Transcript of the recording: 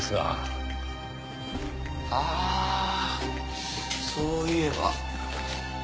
ああそういえば。